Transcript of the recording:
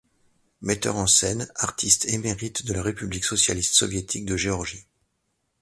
Metteur en scène, artiste émérite de la République socialiste soviétique de Géorgie.